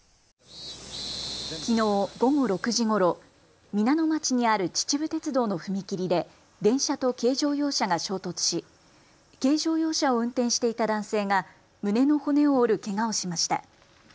きのう午後６時ごろ、皆野町にある秩父鉄道の踏切で電車と軽乗用車が衝突し軽乗用車を運転していた男性が胸の骨を折るけがをしました。